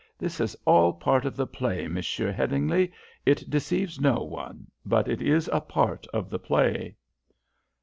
This is all part of the play, Monsieur Headingly. It deceives no one, but it is part of the play.